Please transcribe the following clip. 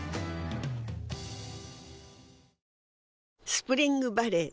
スプリングバレー